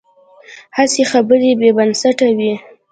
هسې خبرې بې بنسټه وي.